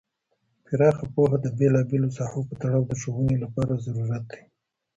پراخ پوهه د بیلا بیلو ساحو په تړاو د ښوونې لپاره ضروریت لري.